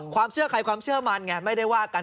ความเชื่อใครความเชื่อมันไงไม่ได้ว่ากัน